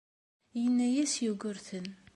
Yenna-as Yugurten.